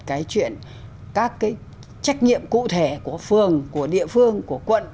cái chuyện các cái trách nhiệm cụ thể của phường của địa phương của quận